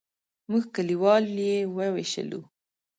موږ کلیوال یې وویشلو.